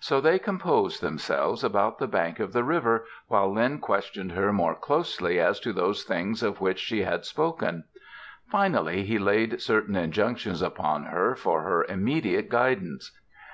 So they composed themselves about the bank of the river, while Lin questioned her more closely as to those things of which she had spoken. Finally, he laid certain injunctions upon her for her immediate guidance.